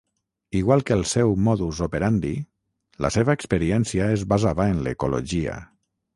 Igual que el seu modus operandi, la seva experiència es basava en l'ecologia.